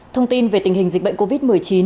thông tin về tình hình dịch bệnh covid một mươi chín